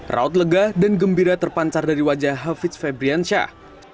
raut lega dan gembira terpancar dari wajah hafiz febriansyah